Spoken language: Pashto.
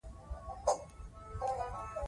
نوښتګر اوسئ.